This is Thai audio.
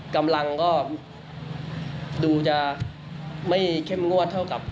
กำลังก็ดูจะไม่เข้มงวดเท่ากับ